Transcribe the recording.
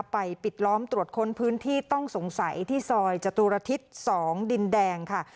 ปิดล้อมตรวจค้นพื้นที่ต้องสงสัยที่ซอยจตุรทิศ๒ดินแดงค่ะ